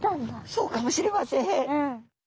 そうかもしれません。